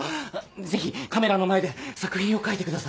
ぜひカメラの前で作品を書いてください。